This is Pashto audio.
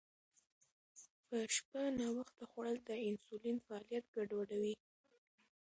په شپه ناوخته خوړل د انسولین فعالیت ګډوډوي.